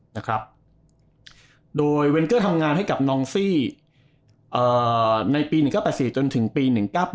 นะครับโดยเวนเกอร์ทำงานให้กับนองซี่ในปี๑๙๘๔จนถึงปี๑๙๘